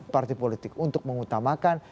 parti politik untuk mengutamakan